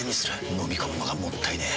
のみ込むのがもったいねえ。